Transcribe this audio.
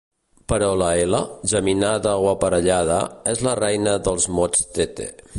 Però la ela, geminada o aparellada, és la reina dels mots Tete.